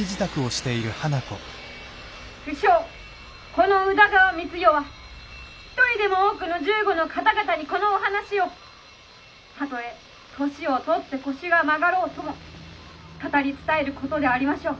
「不肖この宇田川満代は一人でも多くの銃後の方々にこのお話をたとえ年を取って腰が曲がろうとも語り伝える事でありましょう」。